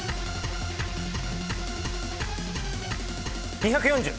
２４０。